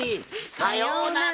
さようなら！